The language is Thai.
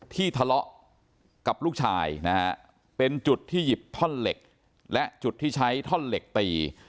ทะเลาะกับลูกชายนะฮะเป็นจุดที่หยิบท่อนเหล็กและจุดที่ใช้ท่อนเหล็กตี